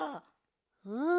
うん。